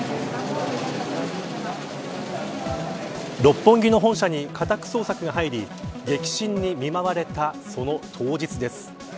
六本木の本社に家宅捜索が入り激震に見舞われたその当日です。